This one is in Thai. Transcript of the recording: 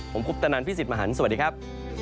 ผมคุปตะนันพี่สิทธิ์มหันฯสวัสดีครับ